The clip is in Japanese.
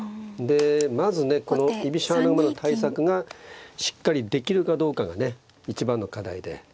でまずねこの居飛車穴熊の対策がしっかりできるかどうかがね一番の課題で。